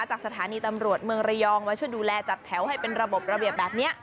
จากสถานีตำรวจเมืองระยองมาช่วยดูแลจัดแถวให้เป็นระบบระเบียบแบบนี้